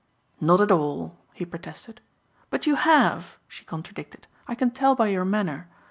"Not at all!" he protested. "But you have," she contradicted, "I can tell by your manner.